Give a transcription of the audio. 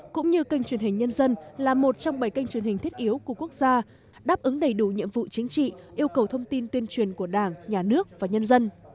cũng như kênh truyền hình nhân dân là một trong bảy kênh truyền hình thiết yếu của quốc gia đáp ứng đầy đủ nhiệm vụ chính trị yêu cầu thông tin tuyên truyền của đảng nhà nước và nhân dân